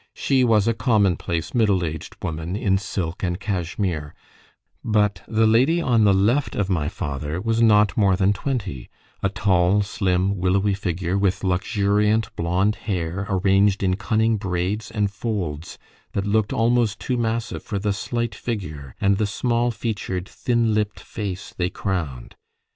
She was a commonplace middle aged woman, in silk and cashmere; but the lady on the left of my father was not more than twenty, a tall, slim, willowy figure, with luxuriant blond hair, arranged in cunning braids and folds that looked almost too massive for the slight figure and the small featured, thin lipped face they crowned.